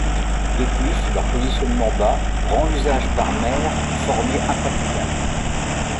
De plus, leur positionnement bas rend l'usage par mer formée impraticable.